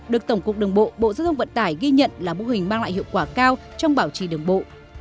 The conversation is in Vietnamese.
được tổng cục đường bộ bộ giao thông vận tải ghi nhận là mô hình mang lại hiệu quả cao trong bảo trì đường bộ